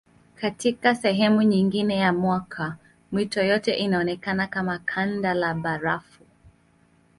Katika sehemu nyingine ya mwaka mito yote inaonekana kama kanda la barafu.